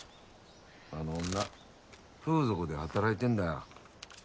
あの女風俗で働いてんだよ。